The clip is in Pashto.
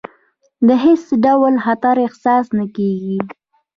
د هېڅ ډول خطر احساس نه کېږي.